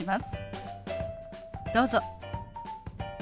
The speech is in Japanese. どうぞ。